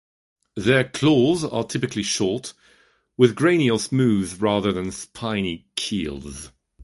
Their claws are typically short, with grainy or smooth, rather than spiny, keels.